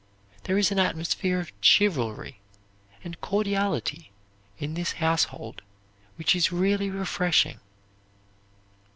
There is an atmosphere of chivalry and cordiality in this household which is really refreshing.